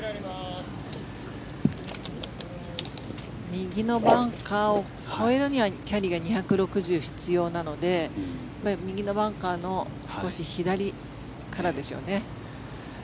右のバンカーを越えるにはキャリーが２６０必要なので右のバンカーの少し左からでしょうね。